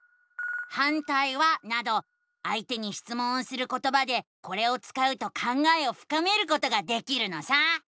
「反対は？」などあいてにしつもんをすることばでこれを使うと考えをふかめることができるのさ！